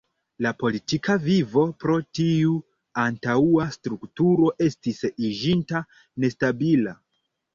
La politika vivo pro tiu antaŭa strukturo estis iĝinta nestabila.